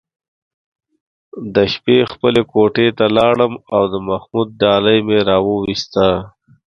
د شپې خپلې کوټې ته لاړم او د محمود ډالۍ مې راوویسته.